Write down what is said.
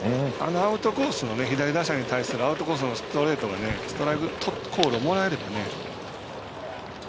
アウトコースの左打者に対するストレートがストライクをもらえればね。